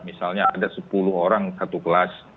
misalnya ada sepuluh orang satu kelas